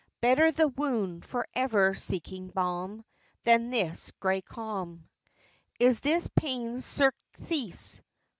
Better the wound forever seeking balm Than this gray calm! Is this pain's surcease?